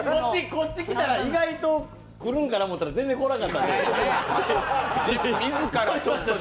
こっち来たら意外と来るんかなと思ったら全然来なかったから。